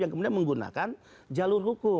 yang kemudian menggunakan jalur hukum